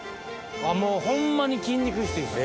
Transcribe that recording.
もうホンマに筋肉質です。